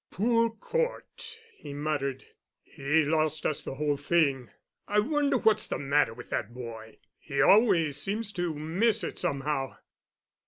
"Poor Cort," he muttered, "he lost us the whole thing. I wonder what's the matter with that boy. He always seems to miss it somehow.